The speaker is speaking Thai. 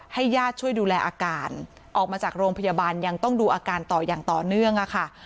ญาติช่วยดูแลอาการออกมาจากโรงพยาบาลยังต้องดูอาการต่ออย่างต่อเนื่องอะค่ะ